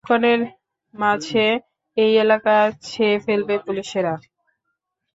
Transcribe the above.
কিছুক্ষণের মাঝে এই এলাকা ছেয়ে ফেলবে পুলিশেরা।